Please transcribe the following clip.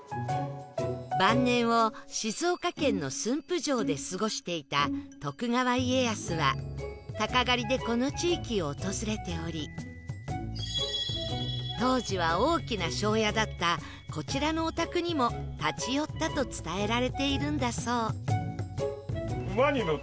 晩年を静岡県の駿府城で過ごしていた徳川家康は鷹狩りでこの地域を訪れており当時は大きな庄屋だったこちらのお宅にも立ち寄ったと伝えられているんだそう